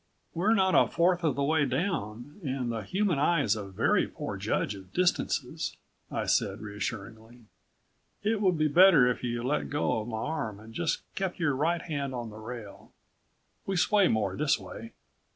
"We're not a fourth of the way down, and the human eye is a very poor judge of distances," I said, reassuringly. "It would be better if you let go of my arm and just kept your right hand on the rail. We sway more this way."